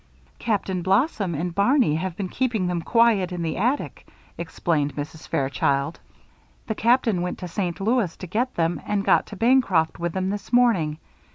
"Captain Blossom and Barney have been keeping them quiet in the attic," explained Mrs. Fairchild. "The Captain went to St. Louis to get them and got to Bancroft with them this morning.